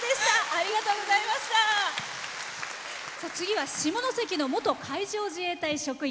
次は下関の元海上自衛隊職員。